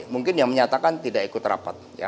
mungkin yang menyatakan tidak ikut rapat